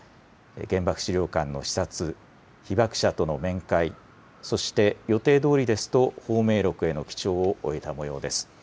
原爆資料館の視察、被爆者との面会、そして予定どおりですと芳名録への記帳を終えたもようです。